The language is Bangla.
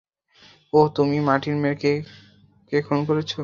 ওহ তুমিই মার্টিন মেক্রে কে খুন করছো।